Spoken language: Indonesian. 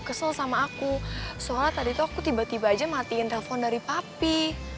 kesel sama aku soalnya tadi tuh aku tiba tiba aja matiin telpon dari papi